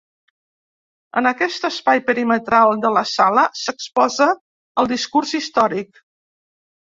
En aquest espai perimetral de la sala s'exposa el discurs històric.